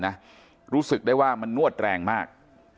นะรู้สึกได้ว่ามันนวดแรงมาก